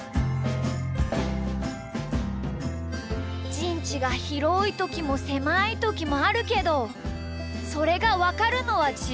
「じんちがひろいときもせまいときもあるけどそれがわかるのはじぶんだけ！